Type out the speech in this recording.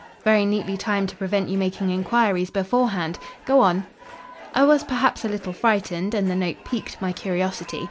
"Very neatly timed to prevent you making inquiries beforehand. Go on." "I was perhaps a little frightened and the note piqued my curiosity.